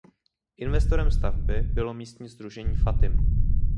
Investorem stavby bylo místní sdružení Fatym.